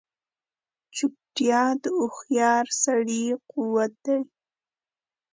چوپتیا، د هوښیار سړي قوت دی.